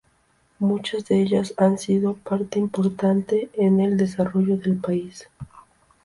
Muchas de ellas han sido parte importante en el desarrollo del país.